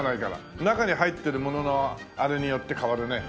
中に入ってるもののあれによって変わるね。